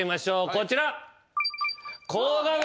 こちら。